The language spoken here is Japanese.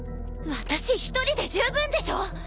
私一人で十分でしょ。